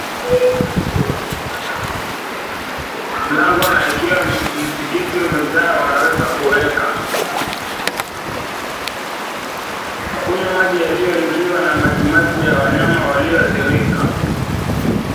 Kunywa maji yaliyoingiwa na majimaji ya wanyama walioathirika